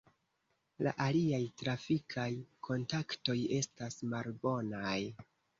La aliaj trafikaj kontaktoj estas malbonaj.